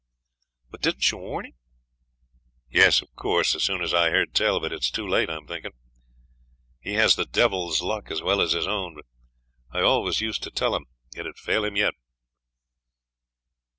'But didn't you warn him?' 'Yes, of course, as soon as I heard tell; but it's too late, I'm thinking. He has the devil's luck as well as his own, but I always used to tell him it would fail him yet.'